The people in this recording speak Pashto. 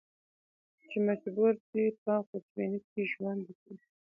چې مجبور دي په خوشبینۍ کې ژوند وکړي.